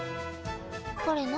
これ何？